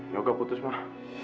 ya bapak putus mah